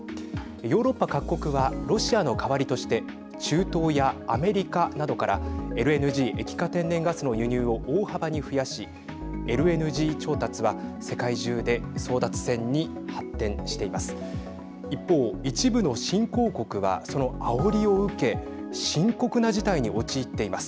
ヨーロッパ各国はロシアの代わりとして中東やアメリカなどからＬＮＧ＝液化天然ガスの輸入を大幅に増やしＬＮＧ調達は世界中で争奪戦に発展しています。